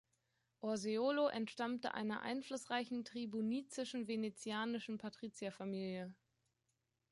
Orseolo entstammte einer einflussreichen tribunizischen venezianischen Patrizierfamilie.